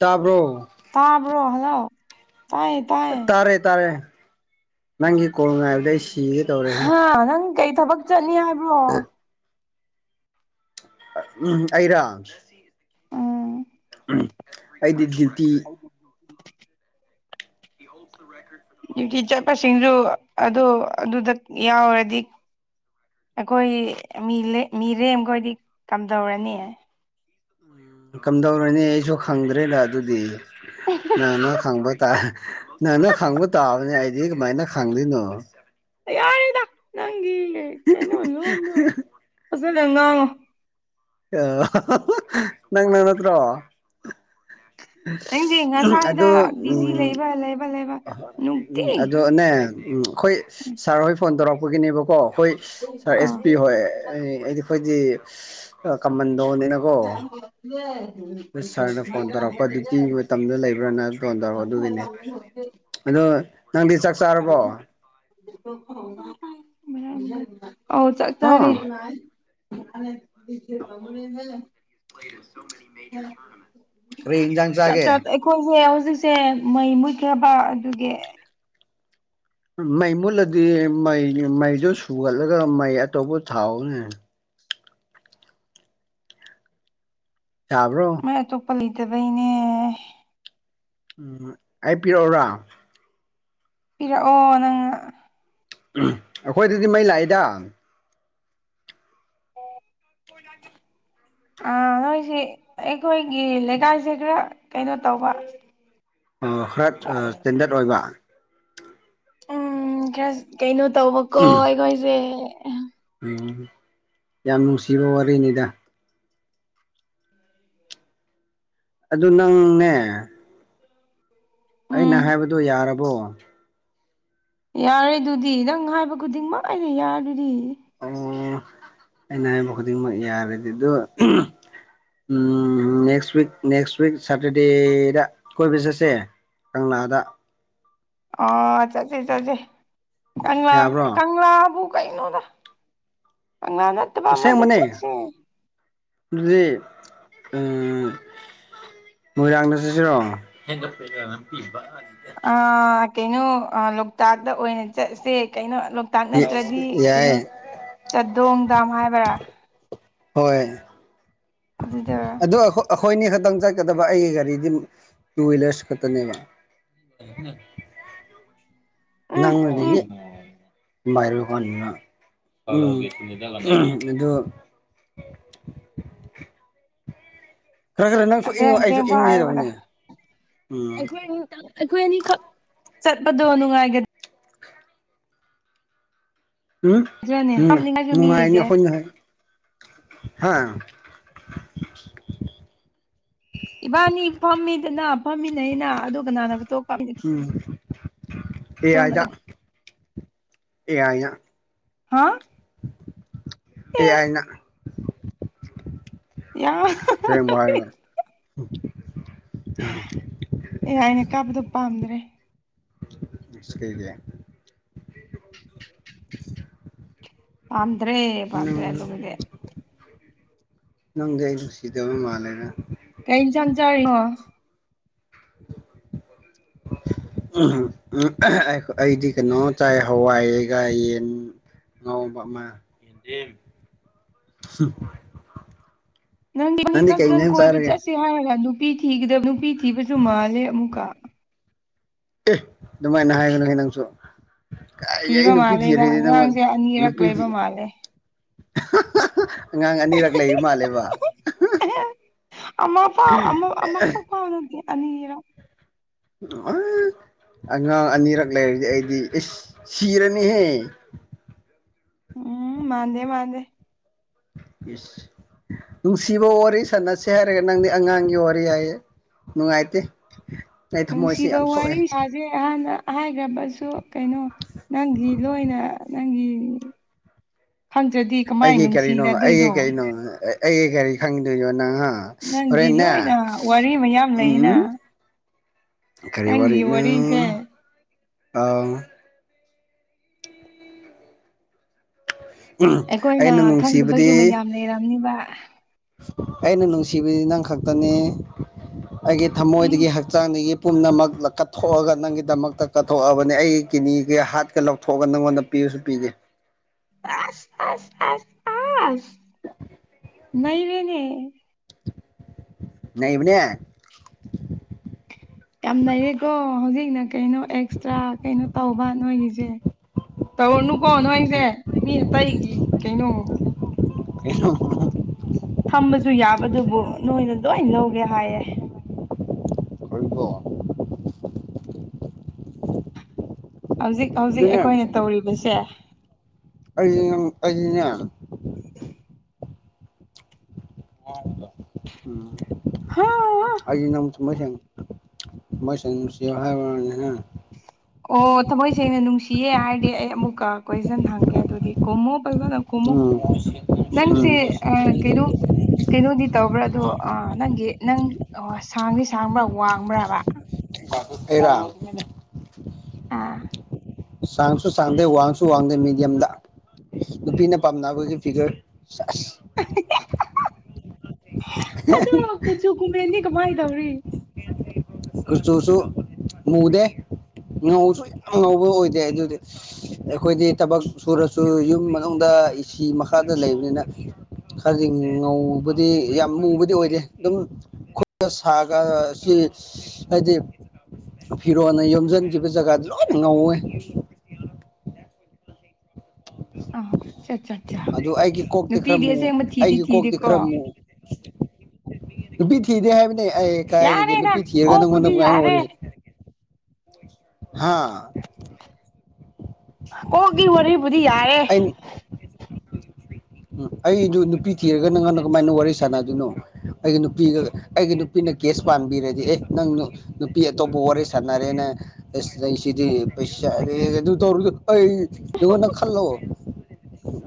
ꯇꯥꯕ꯭ꯔꯣ ꯇꯕ꯭ꯔꯣ ꯍꯜꯂꯣ ꯇ ꯇꯥꯔꯦ ꯇꯥꯔꯦ ꯅꯪꯒꯤ ꯀꯣꯜ ꯉꯥꯏꯕꯗ ꯑꯩ ꯁꯤꯒꯦ ꯇꯧꯔꯦ ꯍꯥ ꯅꯪ ꯀꯩ ꯊꯕꯛ ꯆꯠꯅꯤ ꯍꯥꯏꯕ꯭ꯔꯣ ꯎꯝ ꯑꯩꯔꯝ ꯑꯥ ꯎꯝ ꯑꯩꯗꯤ ꯗꯤꯌꯇꯤ [inaudible] ꯗ꯭ꯌꯨꯇꯤ ꯆꯠꯄꯁꯤꯡꯁꯨ ꯑꯗꯨ ꯑꯗꯨꯗ ꯌꯥꯎꯔꯗꯤ ꯑꯩꯈꯣꯏ ꯃꯤ ꯃꯤꯔꯦꯝꯈꯣꯏꯗꯤ ꯀꯝꯗꯧꯔꯅꯤ ꯀꯝꯗꯧꯔꯅꯤ ꯑꯩꯁꯨ ꯈꯪꯗ꯭ꯔꯦꯗ ꯑꯗꯨꯗꯤ ꯅꯪꯅ ꯈꯪꯕ ꯅꯪꯅ ꯈꯪꯕ ꯇꯥꯕꯅꯦ ꯑꯩꯗꯤ ꯀꯃꯥꯏꯅ ꯍꯥꯡꯂꯤꯅ ꯌꯥꯔꯤꯗ ꯅꯪꯒꯤ ꯀꯩꯅꯣ ꯂꯣꯟꯗꯣ ꯐꯖꯅ ꯉꯥꯡꯉꯣ ꯑ ꯅꯪ ꯅꯅꯠꯇꯣ ꯅꯪꯁꯦ ꯉꯁꯥꯏꯗ ꯑꯣ ꯕꯤꯖꯤ ꯎꯝ ꯂꯩꯕ ꯂꯩꯕ ꯂꯩꯕ ꯎꯝ ꯅꯨꯡꯇꯤ ꯑꯗ ꯅ ꯎꯝ ꯍꯣꯏ ꯁꯥꯔ ꯍꯣꯏ ꯐꯣꯟ ꯇꯧꯔꯛꯄꯒꯤꯅꯦꯕꯀꯣ ꯍꯣꯏ ꯁꯥꯔ ꯑꯦꯁ ꯑꯥ ꯄꯤ ꯍꯣꯏ ꯑꯩꯗꯤ ꯑꯩꯈꯣꯏꯗꯤ ꯀꯃꯟꯗꯣꯅꯤꯅꯀꯣ ꯑ ꯁꯥꯔꯅ ꯐꯣꯟ ꯇꯧꯔꯛꯄ ꯑꯗꯨꯇꯤꯒꯤ ꯃꯇꯝꯗ ꯂꯩꯕ꯭ꯔꯥꯅ ꯐꯣꯟ ꯇꯧꯔꯛꯑꯣ ꯑꯗꯨꯒꯤꯅꯦ ꯑꯗꯨ ꯅꯪꯗꯤ ꯆꯥꯛ ꯆꯥꯔꯕꯣ ꯑꯥꯎ ꯆꯥꯛꯇꯥꯥꯔꯦ ꯍꯥ ꯑꯦꯃꯔꯤ ꯣ ꯎꯝ ꯑꯩꯔꯤ ꯏꯟꯖꯥꯡ ꯆꯒꯦ ꯑꯩꯈꯣꯏꯁꯦ ꯍꯧꯖꯤꯛꯁꯦ ꯃꯩ ꯃꯨꯠꯈ꯭ꯔꯕ ꯑꯗꯨꯒꯤ ꯃꯩ ꯃꯨꯜꯂꯗꯤ ꯃꯩ ꯃꯩꯗꯨ ꯁꯨꯒꯠꯂꯒ ꯃꯩ ꯑꯇꯣꯞꯄ ꯊꯥꯎꯅꯦ ꯆꯕ꯭ꯔꯣ ꯃꯥꯏ ꯑꯇꯣꯞꯄ ꯂꯩꯇꯕꯩꯅꯦ ꯎꯝ ꯑꯩ ꯄꯤꯔꯛꯎꯔ ꯄꯤꯔꯛꯑꯣ ꯅꯪꯅ ꯑꯩꯈꯣꯏꯗꯗꯤ ꯃꯩ ꯂꯥꯛꯏꯗꯪ ꯑ ꯑꯣꯏꯁꯤꯦ ꯑꯩꯈꯣꯏꯒꯤ ꯂꯩꯀꯥꯏꯁꯦ ꯈꯔ ꯀꯩꯅꯣ ꯇꯧꯕ ꯈꯔ ꯁ꯭ꯇꯦꯟꯗꯔꯠ ꯑꯣꯏꯕ ꯎꯝ ꯈꯔ ꯀꯩꯅꯣ ꯇꯧꯕꯀꯣ ꯑꯩꯈꯣꯏꯁꯦ ꯑꯣ ꯌꯥꯝ ꯅꯨꯡꯁꯤꯕ ꯋꯥꯔꯤꯅꯦꯗ ꯑꯗꯨ ꯅꯪꯅꯦ ꯑꯩꯅ ꯎꯝ ꯍꯥꯏꯕꯗꯨꯣ ꯌꯥꯔꯕꯣ ꯌꯥꯔꯦ ꯑꯗꯨꯗꯤ ꯅꯪ ꯍꯥꯏꯕ ꯈꯨꯗꯤꯡꯃꯛ ꯑꯩꯅ ꯌꯥꯔ ꯑꯗꯨꯗꯤ ꯑꯣ ꯑꯩꯅ ꯍꯥꯏꯕ ꯈꯨꯗꯤꯡꯃꯛ ꯌꯥꯔꯗꯤ ꯑꯗꯨ ꯎꯝ ꯅꯦꯛꯁ ꯎꯛ ꯅꯦꯛꯁ ꯎꯏꯛ ꯁꯇꯔꯗꯦꯗ ꯀꯣꯏ ꯄꯁ ꯑꯦ ꯀꯪꯂꯥꯗ ꯑ ꯆꯆꯦ ꯆꯦ ꯀꯪꯂꯥ ꯌꯥꯕ꯭ꯔꯣ ꯀꯪꯂꯥꯕꯨ ꯀꯩꯅꯣꯗ ꯑꯉꯥꯅ ꯁ ꯃꯅꯦ ꯑꯗꯨꯗꯤ ꯎ ꯃꯣꯏꯔꯥꯡꯅꯁꯤꯁꯤꯦꯔꯣ ꯑ ꯀꯩꯅꯣ ꯂꯣꯛꯇꯥꯛꯇ ꯑꯣꯏꯅ ꯆꯠꯁꯦ ꯀꯩꯅꯣ ꯇꯥꯛ ꯅꯠꯇ꯭ꯔꯗꯤ ꯀꯩꯅꯣ ꯌꯥꯏ ꯆꯥꯗꯣꯡ ꯗꯥꯝ ꯍꯥꯏꯕ꯭ꯔꯥ ꯍꯣꯏ ꯑꯗꯨꯗ ꯑ ꯑꯩꯈꯣꯏꯅꯤ ꯈꯛꯇꯪ ꯆꯠꯀꯗꯕ ꯑꯩꯒꯤ ꯒꯥꯔꯤꯗꯤ ꯇꯨ ꯍ꯭ꯋꯤꯂꯔꯁ ꯈꯛꯇꯅꯦꯕ [inaudible] ꯎꯝ ꯎꯝ ꯅꯪꯅꯗꯤꯗꯒꯤ ꯏꯔ ꯀꯥꯟꯅ ꯑꯗꯨ ꯈꯔ ꯈꯔ ꯅꯪꯁꯨ ꯏꯪꯉꯣ ꯑꯁꯦꯡ ꯑꯩꯁꯨ ꯑꯁꯦꯡꯕ ꯍꯥꯏꯕꯗ ꯏꯪꯒꯦꯗꯧꯕꯅꯦ ꯎꯝ ꯑꯩꯈꯣꯏ ꯈꯤ ꯑꯩꯈꯣꯏ ꯑꯅꯤꯈꯛ ꯆꯠꯄꯗꯣ ꯅꯨꯡꯉꯥꯏꯒ ꯎꯝꯝ ꯀꯥꯞꯅꯤꯡꯉꯥꯏꯁꯨ ꯃꯤ ꯂꯩꯇꯦ ꯅꯨꯡꯉꯥꯏꯈꯣꯏ ꯍ ꯏꯕꯥꯅꯤ ꯐꯝꯃꯤꯗꯅ ꯐꯝꯃꯤꯅꯦꯅ ꯑꯗꯨꯒ ꯅꯥꯅꯕ ꯇꯣ ꯎꯝ ꯑꯦ ꯐꯣꯇꯣ ꯑꯥꯛ ꯑꯦ ꯍꯥ ꯑꯦ ꯑꯦꯥꯏꯅ ꯌꯥ ꯍꯔ ꯑꯦꯥꯏꯩꯅ ꯀꯥꯞꯕꯗꯣ ꯄꯥꯝꯗ꯭ꯔꯦ ꯒꯤ [inaudible] ꯄꯥꯟꯗ꯭ꯔꯦ ꯅꯪ ꯄꯥꯟꯗ꯭ꯔꯦ ꯑꯗꯨꯦ ꯅꯪꯗꯤ ꯑꯩ ꯅꯨꯡꯁꯤꯗꯕ ꯃꯥꯜꯂꯦꯗ ꯀꯩ ꯆ ꯆ ꯎ ꯑꯩꯗꯤ ꯀꯩꯅꯣꯝ ꯇꯥꯏ ꯍꯋꯥꯏꯒ ꯌꯦꯟ ꯑꯃ ꯅꯪꯗꯤ ꯃꯤ ꯀꯩ ꯈꯛꯇꯪ ꯏꯟꯖꯥꯡ ꯀꯣꯏꯕ ꯆꯥꯔꯒꯦ ꯆꯠꯁꯦ ꯍꯥꯏꯔꯒ ꯅꯨꯄꯤꯗ ꯅꯨꯄꯤ ꯊꯤꯕꯁꯨ ꯃꯥꯜꯂꯦ ꯑꯃꯨꯛꯀ ꯑꯗꯨꯃꯥꯏꯅ ꯍꯥꯏꯒꯅꯨ ꯅꯪꯁꯨ ꯀ ꯑꯩ ꯊꯤꯕ ꯅꯨꯄꯤ ꯃꯥꯜꯂꯦꯗ ꯊꯤꯔꯦꯗꯤ ꯅꯪꯉꯣꯟ ꯑꯉꯥꯡꯁꯦ ꯑꯅꯤꯔꯛ ꯅꯨꯄꯤ ꯂꯩꯕ ꯃꯥꯜꯂꯦ ꯑꯉꯥꯡ ꯑꯅꯤꯔꯛ ꯂꯩ ꯃꯥꯜꯂꯦꯕ ꯑꯦꯍ ꯑꯃ ꯄꯥꯎ ꯑꯃ ꯑꯃꯈꯛ ꯄꯥꯎ ꯅꯠꯇꯦ ꯑꯅꯤꯔꯛ ꯑ ꯑꯉꯥꯡ ꯑꯅꯤꯔꯛ ꯂꯩꯔꯗꯤ ꯑꯩꯗꯤ ꯑꯦꯁ ꯁꯤꯔꯅꯤꯍꯦ ꯎꯝ ꯃꯥꯥꯟꯗꯦ ꯃꯥꯥꯟꯗꯦ ꯁ ꯅꯨꯡꯁꯤꯕ ꯋꯥꯔꯤ ꯁꯥꯟꯅꯁꯦ ꯍꯥꯏꯔꯒ ꯅꯪꯗꯤ ꯑꯉꯥꯡꯒꯤ ꯋꯥꯔꯤ ꯍꯥꯏꯌꯦ ꯃꯅꯨꯡꯥꯏꯠꯇ ꯅꯨꯡꯁꯤꯕ ꯋꯥꯔꯤ ꯁꯥꯖꯩ ꯑꯍꯥꯟꯅ ꯍꯥꯏꯈ꯭ꯔꯕꯁꯨ ꯀꯩꯅꯣ ꯅꯪꯒꯤ ꯂꯣꯏꯅ ꯅꯪꯒꯤ ꯈꯪꯗ꯭ꯔꯗꯤ ꯀꯃꯥꯏꯅ ꯑꯩꯒꯤ ꯀꯔꯤꯅꯣ ꯑꯩꯒꯤ ꯅꯨꯡꯁꯤꯅꯗꯣꯏꯅꯣ ꯀꯔꯤꯅꯣ ꯑꯩꯒꯤ ꯀꯔꯤ ꯈꯪꯗꯣꯏꯅꯣ ꯅꯪꯍ ꯅꯪꯒꯤ ꯍꯔꯦꯟꯅ ꯂꯣꯏꯅ ꯋꯥꯔꯤ ꯃꯌꯥꯝ ꯂꯩꯅ ꯎꯝ ꯅꯪꯒꯤ ꯀꯔꯤꯋꯥꯔꯤꯅ ꯋꯥꯔꯤꯁꯦ ꯑ ꯎ ꯑꯩꯈꯣꯏꯅ ꯈꯪꯗꯕꯁꯨ ꯃꯌꯥꯝ ꯂꯩꯔꯝꯅꯤꯕ ꯑꯩꯅ ꯅꯨꯡꯁꯤꯕꯕꯁꯤ ꯅꯪ ꯈꯛꯇꯅꯤ ꯑꯩꯒꯤ ꯎꯝ ꯊꯃꯣꯏꯗꯒꯤ ꯍꯛꯆꯥꯡꯗꯒꯤ ꯄꯨꯝꯅꯃꯛ ꯀꯠꯊꯣꯛꯑꯒ ꯅꯪꯒꯤꯗꯃꯛꯇ ꯀꯠꯊꯣꯛꯑꯕꯅꯤ ꯑꯩꯒꯤ ꯀꯤꯅꯤꯒ ꯍꯥꯠꯀ ꯂꯧꯊꯣꯛꯑꯒ ꯅꯪꯉꯣꯟꯗ ꯄꯤꯁ ꯄꯤ ꯑꯁ ꯑꯁ ꯑꯁ ꯑꯁ ꯅ ꯔꯅꯦ ꯅꯕꯅꯦ ꯌꯥꯝ ꯂꯩꯌꯦꯀꯣ ꯍꯧꯖꯤꯛꯅ ꯀꯩꯅꯣ ꯑꯦꯛꯁꯇ꯭ꯔꯥ ꯀꯩꯅꯣ ꯇꯧꯕ ꯅꯣꯏꯒꯤꯁꯦ ꯇꯧꯔꯅꯨꯀꯣ ꯅꯣꯏꯣꯏꯁꯦ ꯃꯤ ꯑꯇꯩꯒꯤ ꯀꯩꯅꯣ [inaudible] ꯊꯝꯕꯁꯨ ꯌꯥꯕꯗꯨꯕꯨ ꯅꯣꯏꯅ ꯂꯣꯏ ꯂꯧꯒꯦ ꯍꯥꯏꯌꯦꯦ ꯣꯏꯀꯣ ꯍꯧꯖꯤꯛ ꯍꯧꯖꯤꯛ ꯑꯗꯨꯅꯦ ꯑꯩꯗꯤ ꯅꯪ ꯑꯩꯈꯣꯏꯅ ꯇꯧꯔꯤꯕꯁꯦ ꯀ ꯀꯩꯉꯅ ꯑ ꯎꯝ ꯍ ꯑ ꯅ ꯊ ꯃꯁ ꯃꯁ ꯁꯤ ꯍꯥꯏ ꯑꯣ ꯊꯃꯣꯏ ꯁꯦꯡꯅ ꯅꯨꯡꯁꯤꯌꯦ ꯍꯥꯏꯔꯗꯤ ꯑꯩ ꯑꯃꯨꯛꯀ ꯀꯣꯏꯁꯟ ꯍꯪꯒꯦ ꯑꯗꯨꯗꯤ ꯀꯣꯃꯣ ꯐꯖꯅ ꯀꯣꯃꯣ ꯅꯪꯁꯦ ꯑ ꯀꯩꯅꯣ ꯀꯩꯅꯣꯗꯤ ꯇꯧꯕ꯭ꯔꯥ ꯑꯗꯣ ꯅꯪꯒꯤ ꯅꯪ ꯑꯣ ꯁꯥꯡꯗꯤ ꯁꯥꯡꯕ꯭ꯔꯥ ꯋꯥꯡꯕ꯭ꯔꯥꯕ ꯇꯔ ꯑꯥ ꯁꯥꯡꯁꯨ ꯁꯥꯡꯗꯦ ꯋꯥꯡꯁꯨ ꯋꯥꯡꯗꯦ ꯃꯤꯦꯗꯤꯌꯝꯗ ꯅꯨꯄꯤꯅ ꯄꯥꯝꯅꯕꯒꯤ ꯐꯤꯒꯔ ꯑꯁ ꯑꯗꯣ ꯀꯨꯆꯨ ꯀꯨꯃꯦꯟꯅꯤ ꯀꯃꯥꯏꯅ ꯇꯧꯔꯤ ꯀꯨꯆꯨꯁꯨ ꯃꯨꯗꯦ ꯉꯧꯁꯨ ꯌꯥꯝ ꯉꯧꯕ ꯑꯣꯏꯗꯦ ꯑꯗꯨꯗꯤ ꯑꯩꯈꯣꯏꯗꯤ ꯊꯕꯛ ꯁꯨꯔꯁꯨ ꯌꯨꯝ ꯃꯅꯨꯡꯗ ꯏꯁꯤ ꯃꯈꯥꯗ ꯂꯩꯕꯅꯤꯅ ꯍꯗꯤ ꯉꯧꯕꯗꯤ ꯌꯥꯝ ꯃꯨꯕꯗꯤ ꯑꯣꯏꯔꯦ ꯑꯗꯨꯝ ꯈ ꯁꯥꯒ ꯍꯥꯏꯗꯤ ꯐꯤꯔꯣꯅ ꯌꯣꯝꯁꯤꯟꯈꯤꯕ ꯖꯒꯥꯗꯨ ꯂꯣꯏꯅ ꯉꯧꯋꯦ ꯑꯥ ꯆꯠ ꯆꯠ ꯆꯥ ꯑꯗꯨ ꯑꯩꯒꯤ ꯀꯣꯛꯇꯤ ꯈꯔ ꯅꯨꯄꯤꯗꯤ ꯑꯃꯨꯛ ꯑꯁꯦꯡꯕ ꯊꯤꯗꯤ ꯑꯩꯒꯤ ꯀꯣꯛꯇꯤ ꯊꯤꯗꯦꯀꯣ ꯈꯔ ꯑꯃꯨꯛ ꯅꯨꯄꯤ ꯊꯤꯗꯦ ꯍꯥꯏꯕꯅꯦ ꯑꯩ ꯀꯥꯏꯔꯤꯒꯦ ꯌꯥꯔꯦꯗ ꯅꯨꯄꯤ ꯊꯤꯔꯒ ꯅꯪꯉꯣꯟꯗ ꯀꯣꯛꯄꯨꯗꯤ ꯀꯃꯥꯏꯅ ꯌꯥꯔꯦ ꯑꯣꯏꯔꯤꯁꯦ ꯍꯥ ꯀꯣꯛꯒꯤ ꯋꯥꯔꯤꯕꯨꯗꯤ ꯌꯥꯏꯦ ꯎꯝ ꯑꯩ ꯅꯨꯄꯤ ꯊꯤꯔꯒ ꯅꯪꯉꯥꯟꯗ ꯀꯃꯥꯏꯅ ꯋꯥꯔꯤ ꯁꯥꯟꯅꯗꯣꯏꯅꯣ ꯑꯩꯒꯤ ꯅꯨꯄꯤꯒ ꯑꯩꯒꯤ ꯅꯨꯄꯤꯅ ꯀꯦꯁ ꯄꯥꯟꯕꯤꯔꯗꯤ ꯑꯦ ꯅꯪ ꯅꯨꯄꯤ ꯑꯇꯣꯞꯄ ꯋꯥꯔꯤ ꯁꯥꯟꯅꯔꯦꯅ ꯂꯩꯁꯤꯗꯤ ꯄꯩꯁꯥꯧꯔ ꯅꯅ ꯈꯜꯂꯣ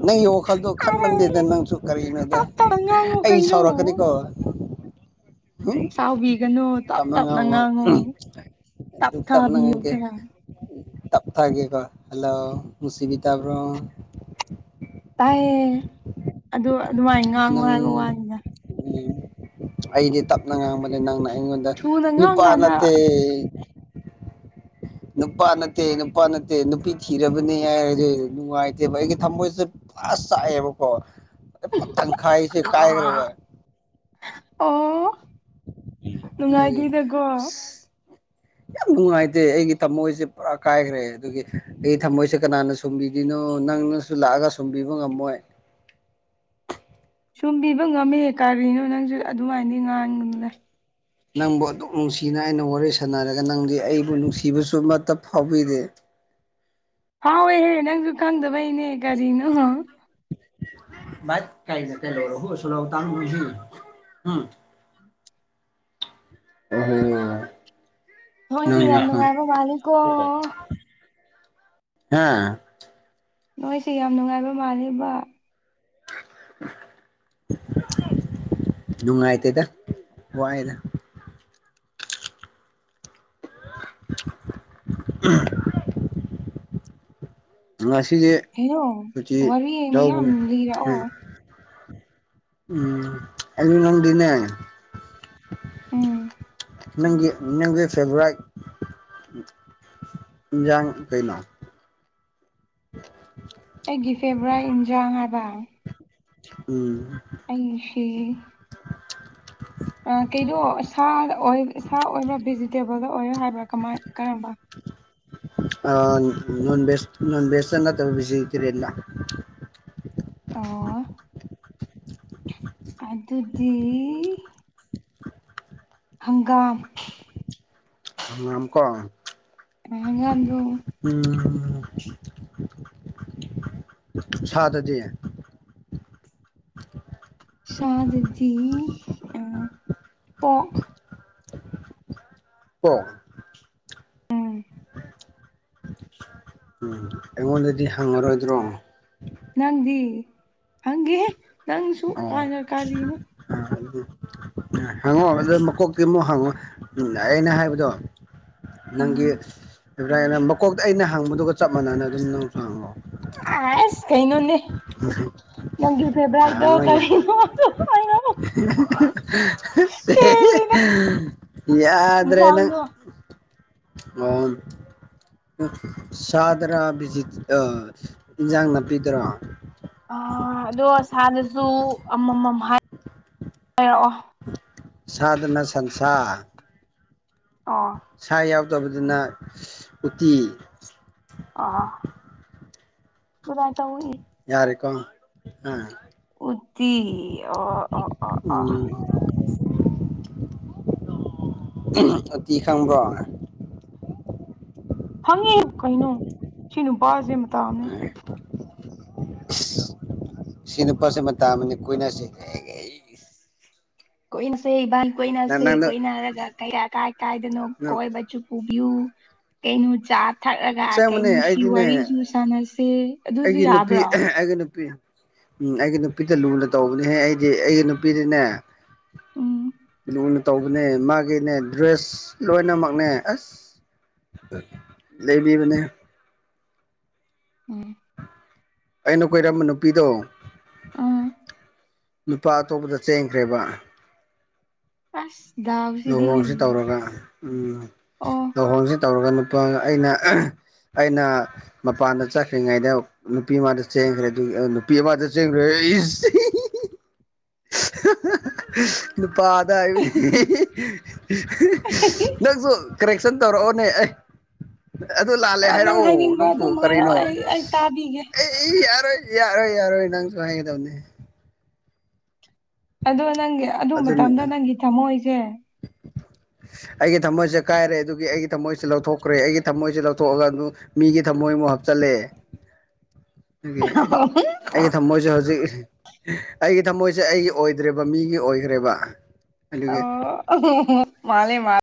ꯅ ꯑꯣ ꯈꯜꯗꯣ ꯈꯟꯕꯪꯗꯦꯗ ꯅꯪꯁꯨ ꯀꯔꯤꯅꯣꯗ ꯇꯞ ꯇꯞꯅ ꯉꯥꯡꯉꯨ ꯑꯩ ꯀꯩꯅꯣ ꯁꯥꯎꯔꯛꯀꯅꯤꯀꯣ ꯎ ꯁꯥꯎꯕꯤꯒꯅꯨ ꯇꯞ ꯇꯝ ꯇꯞꯅ ꯉꯥꯡꯉꯨ ꯇꯞ ꯗꯨꯛ ꯇꯥ ꯃꯅ ꯊꯥꯕꯤꯌꯨ ꯉꯡꯀꯦ ꯈꯔ ꯇꯞꯇꯥꯥꯦꯀ ꯍꯜꯂꯣ ꯁꯤꯃꯤꯗ ꯍꯕ꯭ꯔꯣ ꯇꯥꯏꯌꯦ ꯑꯗꯨ ꯑꯗꯨꯃꯥꯏꯅ ꯉꯥꯡꯉꯨ ꯅꯪ ꯍꯥꯏꯕ ꯋꯥꯅꯤꯅ ꯑꯩꯗꯤ ꯇꯞꯅ ꯉꯥꯡꯕꯗ ꯅꯪꯅ ꯑꯩꯉꯣꯟꯗ ꯊꯨꯅ ꯉꯥꯡ ꯅꯨꯄꯥ ꯀꯥꯟꯗ ꯅꯠꯇ ꯅꯨꯄꯥ ꯅꯠꯇꯦ ꯅꯨꯄꯥ ꯅꯠꯇꯦ ꯅꯨꯄꯤ ꯊꯤꯔꯕꯅꯤ ꯍꯥꯏꯔꯗꯤ ꯅꯨꯡꯉꯥꯏꯇꯦꯕ ꯑꯩꯒꯤ ꯊꯝꯃꯣꯏꯁꯦ ꯑꯥꯁ ꯆꯥꯏꯌꯦꯦꯕꯀꯣ ꯇꯟꯈꯥꯏꯁꯦ ꯀꯥꯏꯈ꯭ꯔꯦꯕ ꯑꯣ ꯑꯗꯨꯒꯤ ꯅꯨꯡꯉꯥꯏꯇꯦꯗꯀꯣ [inaudible] ꯌꯥꯝ ꯅꯨꯡꯉꯥꯏꯇꯦ ꯑꯩꯒꯤ ꯊꯝꯃꯣꯏꯁꯦ ꯄꯨꯔꯥ ꯀꯥꯏꯈ꯭ꯔꯦ ꯑꯗꯨꯒꯤ ꯑꯩꯒꯤ ꯊꯝꯃꯣꯏꯁꯦ ꯀꯅꯥꯅ ꯁꯨꯝꯕꯤꯔꯤꯅꯣ ꯅꯪꯅ ꯁꯨ ꯂꯥꯛꯑꯒ ꯁꯨꯝꯕꯤꯕ ꯉꯝꯃꯣꯏ ꯁꯨꯝꯕꯤꯕ ꯉꯝꯃꯦ ꯀꯔꯤꯅꯣ ꯅꯪꯁꯨ ꯑꯗꯨꯃꯥꯏꯅꯗꯤ ꯉꯥꯡꯅꯨꯗ ꯅꯪꯕꯨ ꯑꯗꯨꯝ ꯅꯨꯡꯁꯤꯅ ꯑꯩꯅ ꯋꯥꯔꯤ ꯁꯥꯟꯅꯔꯒ ꯅꯪꯗꯤ ꯑꯩꯕꯨ ꯅꯨꯡꯁꯤꯕꯁꯨ ꯑꯃꯠꯇ ꯐꯥꯎꯕꯤꯗꯦ ꯍꯥꯎꯏꯍꯦ ꯅꯪꯖꯨ ꯈꯪꯗꯕꯩꯅꯦ ꯀꯔꯤꯅꯣ [unintelligible] ꯑꯣꯝ ꯃꯣꯏꯁꯦ ꯌꯥꯝ ꯅꯨꯡꯉꯥꯏꯕ ꯃꯥꯜꯂꯤꯀꯣ ꯍꯥꯥ ꯅꯣꯏꯁꯤꯦ ꯌꯥꯝ ꯅꯨꯡꯉꯥꯏꯕ ꯃꯥꯜꯂꯤꯕ ꯅꯨꯡꯉꯥꯏ ꯇꯦꯗ ꯋꯥꯗ ꯎꯝ ꯑꯁꯤꯁꯤꯒꯦ ꯀꯩꯅꯣ ꯁꯆ ꯋꯥꯔꯤ ꯌꯥꯎ ꯃꯌꯥꯝ ꯂꯤꯔꯛꯑꯣ ꯎꯝ ꯑꯩ ꯅꯪꯗꯟꯅ ꯎꯝ ꯅꯪꯒꯤ ꯅꯪꯒꯤ ꯐꯦꯕꯔꯥꯏꯠ ꯏꯟꯖꯥꯡ ꯀꯩꯅꯣ [inaudible] ꯑꯩꯒꯤ ꯐꯦꯕꯣꯔꯥꯏꯠ ꯏꯟꯖꯥꯥꯡ ꯍꯥꯏꯕ ꯎꯝ ꯑꯩꯁꯦ [inaudible] ꯑ ꯀꯩꯗꯣ ꯑ ꯁꯥꯗ ꯑꯣꯏ ꯁꯥ ꯑꯣꯏꯕ꯭ꯔꯥ ꯚꯦꯖꯤꯇꯦꯕꯜꯗ ꯑꯣꯏꯔꯥ ꯍꯥꯏꯕ꯭ꯔꯥ ꯀꯃꯥꯏ ꯀꯔꯝꯕ ꯑ ꯅꯟ ꯕꯦꯁ ꯅꯟ ꯕꯦꯁꯇ ꯅꯠꯇꯕ ꯕꯦꯖꯤꯇꯔꯤꯌꯟꯗ ꯑꯣ ꯑꯗꯨꯗꯤ ꯍꯪꯒꯥꯝ ꯍꯪꯒꯥꯝꯀꯣ [unintelligible] ꯎꯝ ꯁꯥꯗꯗꯤ ꯁꯥꯗꯗꯤ ꯑ ꯄꯣꯛ ꯑꯣꯛ ꯎꯝ ꯎꯝ ꯑꯩꯉꯣꯟꯗꯗꯤ ꯍꯪꯉꯔꯣꯏꯗ꯭ꯔꯣ ꯅꯪꯗꯤ ꯍꯪꯒꯦꯍꯦ ꯅꯪꯁꯨ ꯑꯣ ꯀꯥꯟꯅ ꯀꯥꯔꯤꯅꯣ ꯍꯪꯉꯣ ꯑꯗꯨ ꯃꯀꯣꯛꯇꯩ ꯑꯃꯨꯛ ꯍꯪꯉꯣ ꯎꯝ ꯑꯩꯅ ꯍꯥꯏꯕꯗꯣ ꯅꯪꯒꯤ ꯎꯝ ꯑꯦꯕ꯭ꯔꯥꯏ ꯃꯀꯣꯛꯇ ꯑꯩꯅ ꯍꯪꯕꯗꯨꯒ ꯆꯞ ꯃꯥꯟꯅꯅ ꯑꯗꯨꯝ ꯅꯪꯁꯨ ꯍꯥꯡꯉꯛꯑꯣ ꯑꯥꯏꯁ ꯀꯩꯅꯣꯅꯦ ꯅꯪꯒꯤ ꯐꯦꯕ꯭ꯔꯔꯥꯏꯗꯣ ꯍꯪꯉꯣ ꯌꯥꯏ ꯀꯔꯤꯅꯣ ꯍꯦꯜꯂꯤꯗ [unintelligible] ꯌꯥꯗ꯭ꯔꯦ ꯅꯪ ꯏꯟꯁꯥꯡꯗꯣ ꯑꯟ ꯁꯥꯗꯔꯥ ꯕꯤꯠ ꯑꯥ ꯏꯟꯖꯥꯡ ꯅꯥꯄꯤꯗꯔꯥ ꯑ ꯑꯗꯣ ꯁꯥꯥꯗꯁꯨ ꯑꯃꯃꯝ ꯍꯥꯏ ꯍꯥꯏꯔꯛꯑꯣ ꯁꯥꯗꯅ ꯁꯟꯁꯥ ꯑꯣ ꯁꯥ ꯌꯥꯎꯗꯕꯗꯨꯅ ꯎꯇꯤ ꯑ ꯀꯃꯥꯏꯅ ꯇꯧꯏ ꯌꯥꯔꯦꯀꯣ ꯑ ꯎꯠꯇꯤ ꯑ ꯑ ꯑ ꯑ ꯑꯇꯤ ꯈꯪꯕ꯭ꯔꯣ ꯍꯪꯉꯦ ꯀꯩꯅꯩꯅꯣ ꯁꯤꯅ ꯅꯨꯄꯥꯖꯤꯅ ꯑ ꯁꯤꯅ ꯄꯣꯠꯁꯤꯃꯥ ꯑꯃꯅꯤ ꯀꯨꯏꯅꯁꯤ ꯀꯣꯏꯅꯁꯦ ꯏꯕꯥꯏ ꯅꯪ ꯀꯣꯏꯅꯁꯦ ꯅꯪꯅ ꯀꯣꯏꯅꯔꯒ ꯀꯌꯥ ꯀꯥꯏ ꯀꯥꯏꯗꯅꯣ ꯅꯪ ꯀꯣꯏꯕ ꯆ ꯄꯨꯕꯤꯌꯨ ꯀꯩꯅꯣ ꯆꯥ ꯊꯛꯂꯒ ꯑꯁꯦꯡꯕꯅꯦ ꯀꯩꯅꯣꯁꯤ ꯑꯩꯗꯤꯅꯦ ꯋꯥꯔꯤꯁꯨ ꯁꯥꯟꯅꯁꯦ ꯑꯗꯨꯁꯨ ꯑꯩꯒꯤ ꯅꯨꯄꯤ ꯌꯥꯕ꯭ꯔꯣ ꯑꯩꯒꯤ ꯅꯨꯄꯤ ꯎꯝ ꯑꯩꯒꯤ ꯅꯨꯄꯤꯗ ꯂꯨꯅ ꯇꯧꯕꯅꯦꯍꯦ ꯑꯩꯗꯤ ꯑꯩꯒꯤ ꯅꯨꯄꯤꯗꯤꯅꯦ ꯎꯝ ꯊꯨꯅ ꯇꯧꯕꯅꯦ ꯃꯥꯒꯤꯅꯦ ꯗ꯭ꯔꯦꯁ ꯂꯣꯏꯅꯃꯛꯅꯦ ꯑꯁ ꯂꯩꯕꯤꯕꯅꯦ ꯎꯝ ꯑꯩꯅ ꯀꯣꯏꯔꯝꯕ ꯅꯨꯄꯤꯗꯣ ꯎꯝ ꯅꯨꯨꯄꯥ ꯑꯇꯣꯞꯄꯗ ꯆꯦꯟꯈ꯭ꯔꯦꯕ ꯑꯁꯗ ꯂꯨꯍꯣꯡꯁꯤ ꯇꯧꯔꯒ ꯎꯝ ꯑꯣ ꯂꯨꯍꯣꯡꯁꯤ ꯇꯧꯔꯒ ꯅꯨꯄꯥ ꯑꯩꯅ ꯑꯩꯅ ꯃꯄꯥꯟꯗ ꯆꯠꯈ꯭ꯔꯤꯉꯩꯗ ꯅꯨꯄꯤ ꯑꯃꯗ ꯆꯦꯟꯈ꯭ꯔꯦ ꯑꯗꯨ ꯅꯨꯄꯤ ꯑꯃꯗ ꯆꯦꯟꯈ꯭ꯔꯦ [inaudible] ꯅꯨꯄꯥꯗ ꯍꯥꯏꯕꯅꯤ [unintelligible] ꯅꯪꯁꯨ ꯀꯔꯦꯛꯁꯟ ꯇꯧꯔꯛꯑꯣꯅꯦ ꯑꯩ ꯑꯗꯨ ꯂꯥꯜꯂꯦ ꯑꯣ ꯅꯪ ꯍꯥꯏꯔꯛꯑꯣ ꯍꯥꯏꯅꯤꯡꯕ ꯅꯪꯕꯨ ꯑꯗꯨꯝ ꯍꯥꯏꯔꯛꯑꯣ ꯀꯔꯤꯅꯣ ꯑꯩ ꯑꯩ ꯇꯥꯕꯤꯒꯦ ꯑꯦ ꯌꯥꯔꯣꯏ ꯌꯥꯔꯣꯏ ꯌꯥꯔꯣꯏ ꯅꯪꯁꯨ ꯍꯥꯏꯒꯗꯕꯅꯦ ꯑꯗꯣ ꯅꯪꯒꯤ ꯑꯗꯨ ꯃꯇꯝꯗ ꯅꯪꯒꯤ ꯊꯝꯃꯣꯏꯁꯦ ꯑꯩꯒꯤ ꯊꯝꯃꯣꯏꯁꯦ ꯀꯥꯏꯔꯦ ꯑꯗꯨꯒꯤ ꯑꯩꯒꯤ ꯊꯝꯃꯣꯏꯁꯦ ꯂꯧꯊꯣꯛꯈ꯭ꯔꯦ ꯑꯩꯒꯤ ꯊꯃꯣꯏꯁꯦ ꯂꯧꯊꯣꯛꯑꯒ ꯑꯗꯨ ꯃꯤꯒꯤ ꯊꯝꯃꯣꯏꯃꯨꯛ ꯍꯥꯞꯆꯤꯜꯂꯦ [inaudible] ꯑꯩꯒꯤ ꯊꯝꯃꯣꯏꯁꯦ ꯍꯧꯖꯤꯛ ꯑꯩꯒꯤ ꯊꯃꯣꯏꯁꯦ ꯑꯩꯒꯤ ꯑꯣꯏꯗ꯭ꯔꯦꯕ ꯃꯤꯒꯤ ꯑꯣꯏꯈ꯭ꯔꯦꯕ ꯑꯗꯨꯒꯤ ꯃꯥꯅꯦ ꯃꯥ